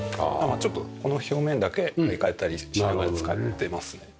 ちょっとこの表面だけ張り替えたりして使ってますね。